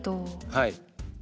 はい。